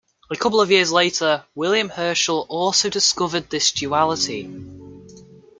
A couple of years later, William Herschel also discovered this duality.